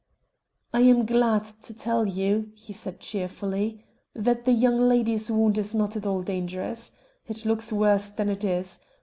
"I am glad to tell you," he said cheerfully, "that the young lady's wound is not at all dangerous. It looks worse than it is.